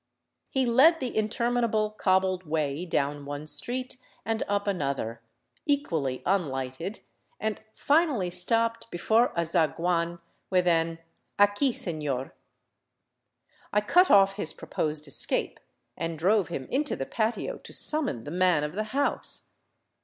He led the interminable, cobbled way down one street and up an other, equally unlighted, and finally stopped before a zaguan with an *' Aqui, seiior." I cut off his proposed escape, and drove him into the patio to summon the man of the house.